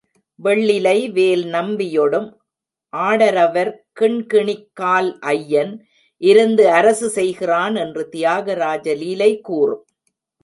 வெள்ளிலை வேல் நம்பியொடும் ஆடரவர் கிண்கிணிக் கால் ஐயன் இருந்து அரசு செய்கிறான் என்று தியாகராஜ லீலை கூறும்.